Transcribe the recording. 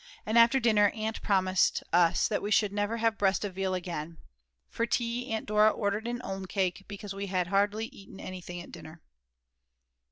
And after dinner Aunt promised us that we should never have breast of veal again. For tea, Aunt Dora ordered an Ulm cake because we had eaten hardly anything at dinner.